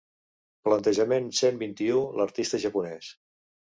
Plantejament cent vint-i-u l'artista japonès.